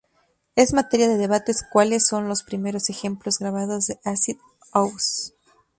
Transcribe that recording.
Es materia de debate cuáles son los primeros ejemplos grabados de acid house.